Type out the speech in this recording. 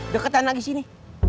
deketan lagi sini